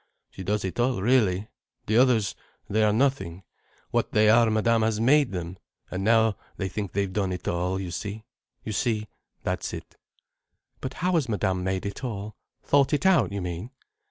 "She does it all, really. The others—they are nothing—what they are Madame has made them. And now they think they've done it all, you see. You see, that's it." "But how has Madame made it all? Thought it out, you mean?"